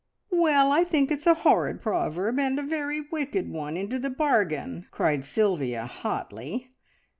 "Well, I think it's a horrid proverb and a very wicked one into the bargain!" cried Sylvia hotly.